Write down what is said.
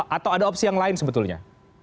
atau ada opsi yang lain sebetulnya